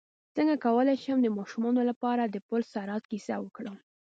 څنګه کولی شم د ماشومانو لپاره د پل صراط کیسه وکړم